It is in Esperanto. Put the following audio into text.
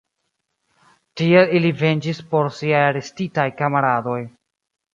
Tiel ili venĝis por siaj arestitaj kamaradoj.